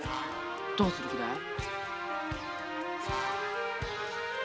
どうする気だい？